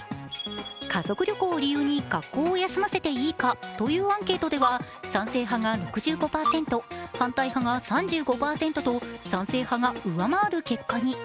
家族旅行を理由に学校を休ませていいかというアンケートでは、賛成派が６５％、反対派が３５％と賛成派が上回る結果に。